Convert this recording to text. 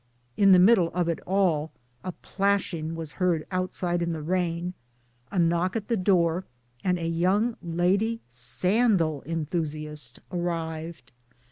In the middle of it all, a plashing was heard outside in the rain, a knock at the door, and a young lady sandal enthusiast arrived.